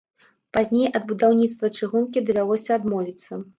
Пазней ад будаўніцтва чыгункі давялося адмовіцца.